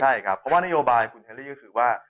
ใช่ครับเพราะว่านโยบายคุณแฮรี่ก็คือว่า